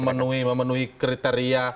jadi sudah memenuhi kriteria